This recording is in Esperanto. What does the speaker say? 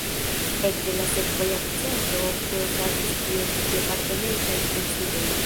Ekde la sekva jarcento ofte okazis tie departementaj kunsidoj.